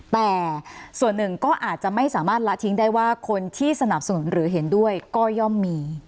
แต่ส่วนหนึ่งก็อาจจะไม่สามารถละทิ้งได้ว่าคนที่สนับสนุนหรือเห็นด้วยก็ย่อมมี